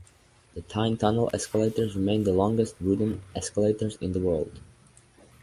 The Tyne Tunnel escalators remain the longest wooden escalators in the world.